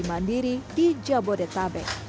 masih mandiri di jabodetabek